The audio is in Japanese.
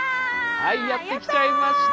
はいやって来ちゃいました。